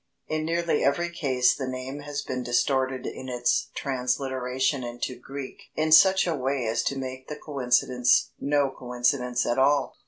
In nearly every case the name has been distorted in its transliteration into Greek in such a way as to make the coincidence no coincidence at all.